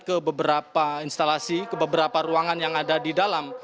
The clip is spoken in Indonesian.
ke beberapa instalasi ke beberapa ruangan yang ada di dalam